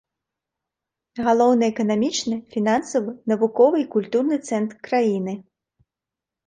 Галоўны эканамічны, фінансавы, навуковы і культурны цэнтр краіны.